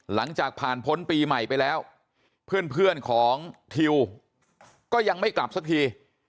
หลังจากผ่านพ้นปีใหม่ไปแล้วเพื่อนของทิวก็ยังไม่กลับสักที